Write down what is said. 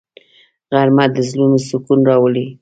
غرمه د زړونو سکون راولي